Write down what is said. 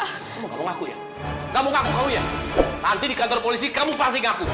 kamu nggak mau ngaku ya nggak mau ngaku kamu ya nanti di kantor polisi kamu pasti ngaku